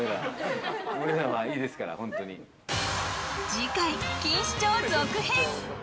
次回、錦糸町続編！